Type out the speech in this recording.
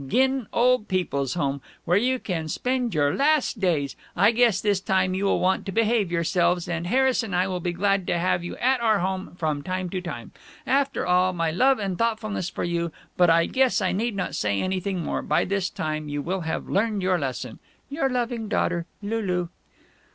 Ginn Old People's Home, where you can spend your last days, I guess this time you will want to behave yourselves, and Harris & I will be glad to have you at our home from time to time. After all my love & thoughtfulness for you but I guess I need not say anything more, by this time you will have learned your lesson. Your loving daughter, LULU.